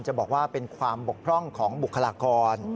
บอกว่าเป็นความบกพร่องของบุคลากร